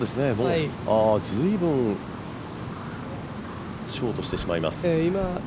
随分ショートしてしまいます。